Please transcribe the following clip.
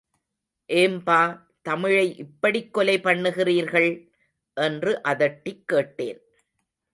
ஏம்பா, தமிழை இப்படிகொலை பண்ணுகிறீர்கள்? என்று அதட்டிக் கேட்டேன்.